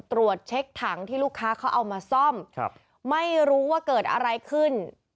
ตรวจเช็คถังที่ลูกค้าเขาเอามาซ่อมไม่รู้ว่าเกิดอะไรขึ้น